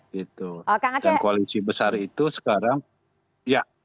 dan koalisi besar itu sekarang iya